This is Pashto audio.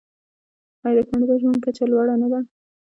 آیا د کاناډا ژوند کچه لوړه نه ده؟